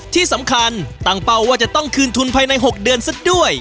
ที่สำคัญตั้งเป้าว่าจะต้องคืนทุนภายใน๖เดือนซะด้วย